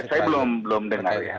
saya belum dengar ya